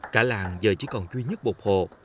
cả làng giờ chỉ còn duy nhất một hộ